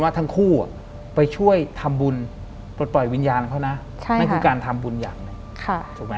หลังจากนั้นเราไม่ได้คุยกันนะคะเดินเข้าบ้านอืม